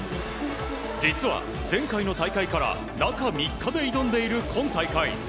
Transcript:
実は前回の大会から中３日で挑んでいる今大会。